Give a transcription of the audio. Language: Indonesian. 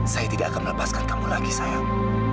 saya tidak akan melepaskan kamu lagi sayang